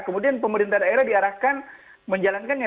kemudian pemerintah daerah diarahkan menjalankannya